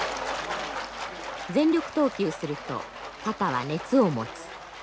全力投球すると肩は熱を持つ。